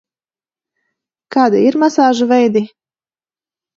Kādi ir masāžu veidi?